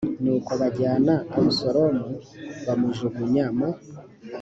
nuko bajyana abusalomu bamujugunya mu